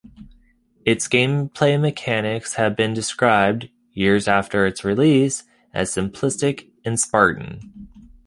Its gameplay mechanics have been described, years after its release, as simplistic and spartan.